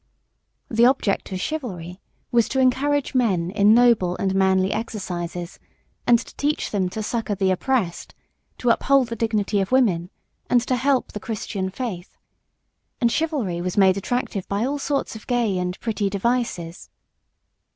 The object of chivalry was to encourage men in noble and manly exercises, and to teach them to succour the oppressed, to uphold the dignity of women, and to help the Christian faith. And chivalry was made attractive by all sorts of gay and pretty devices.